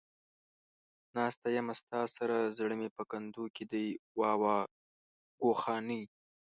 ناسته يمه ستا سره ، زړه مې په کندو کې دى ، واوا گوخانې.